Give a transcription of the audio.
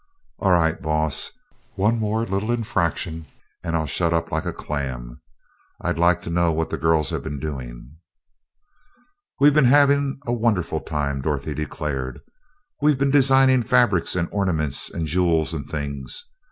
"All right, boss; one more little infraction and I'll shut up like a clam. I'd like to know what the girls have been doing." "We've been having a wonderful time!" Dorothy declared. "We've been designing fabrics and ornaments and jewels and things.